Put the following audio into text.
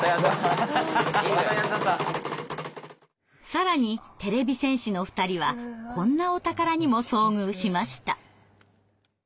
更にてれび戦士の２人はこんなお宝にも遭遇しました。